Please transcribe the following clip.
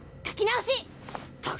書き直し！